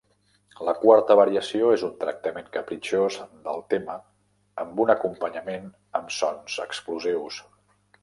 La quarta variació és un tractament capritxós del tema amb un acompanyament amb sons explosius.